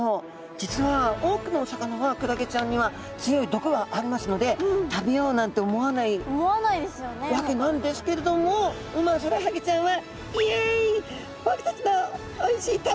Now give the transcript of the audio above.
実は多くのお魚はクラゲちゃんには強い毒がありますので食べようなんて思わないわけなんですけれどもウマヅラハギちゃんは。